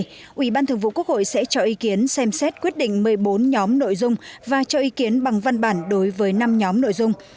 phó chủ tịch thường trực quốc hội sẽ cho ý kiến xem xét quyết định một mươi bốn nhóm nội dung và cho ý kiến bằng văn bản đối với năm nhóm nội dung